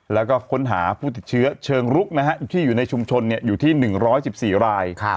แล้วก็ค้นหาผู้ติดเชื้อเชิงรุกที่อยู่ในชุมชนอยู่ที่๑๑๔ราย